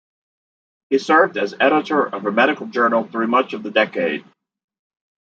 He served as editor of a medical journal through much of the decade.